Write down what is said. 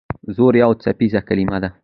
زور یو څپیزه کلمه ده.